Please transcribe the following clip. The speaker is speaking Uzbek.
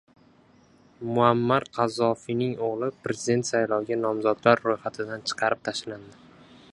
Muammar Qazzofiyning o‘g‘li prezident sayloviga nomzodlar ro‘yxatidan chiqarib tashlandi